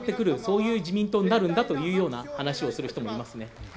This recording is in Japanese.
そういう自民党になるんだというような話をする人もいますね。